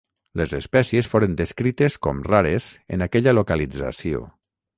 Les espècies foren descrites com rares en aquella localització.